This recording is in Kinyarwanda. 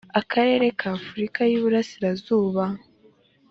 akarere k’afurika y’iburasirazuba